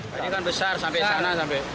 padi kan besar sampai sana